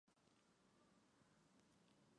Perteneciente a la comarca de la Ribera Alta.